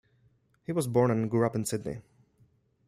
He was born and grew up in Sydney.